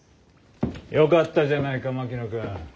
よかったじゃないか槙野君。